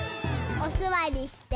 おすわりして。